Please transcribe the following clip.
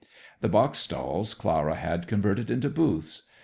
The box stalls Clara had converted into booths.